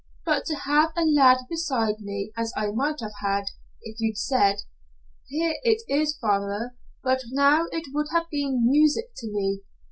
But to have a lad beside me as I might have had if you'd said, 'Here it is, father,' but now, it would have have been music to me.